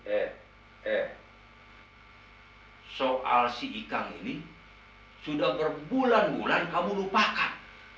eh eh soal si ikang ini sudah berbulan bulan kamu lupakan